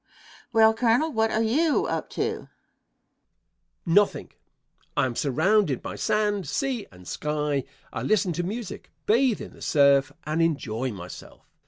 Question. Well, Colonel, what are you up to? Answer. Nothing. I am surrounded by sand, sea and sky. I listen to music, bathe in the surf and enjoy myself.